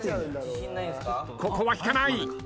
ここは引かない。